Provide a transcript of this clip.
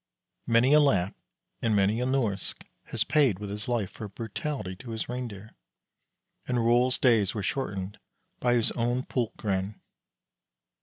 Many a Lapp and many a Norsk has paid with his life for brutality to his Reindeer, and Rol's days were shortened by his own pulk Ren.